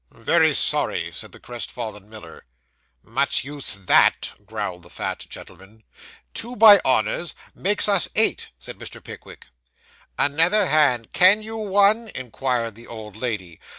'Very sorry,' said the crestfallen Miller. 'Much use that,' growled the fat gentleman. 'Two by honours makes us eight,' said Mr. Pickwick. 'Another hand. 'Can you one?' inquired the old lady.